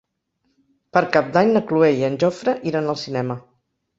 Per Cap d'Any na Cloè i en Jofre iran al cinema.